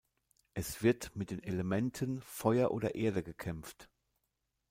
Es wird mit den Elementen Feuer oder Erde gekämpft.